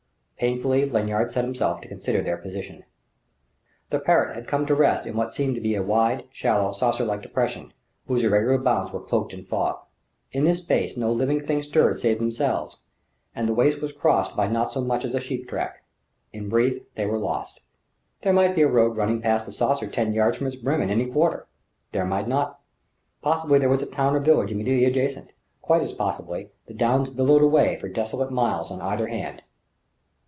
Painfully, Lanyard set himself to consider their position. The Parrott had come to rest in what seemed to be a wide, shallow, saucer like depression, whose irregular bounds were cloaked in fog. In this space no living thing stirred save themselves; and the waste was crossed by not so much as a sheep track. In brief, they were lost. There might be a road running past the saucer ten yards from its brim in any quarter. There might not. Possibly there was a town or village immediately adjacent. Quite as possibly the Downs billowed away for desolate miles on either hand.